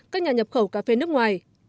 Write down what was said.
các nhà nhập khẩu cà phê nước ngoài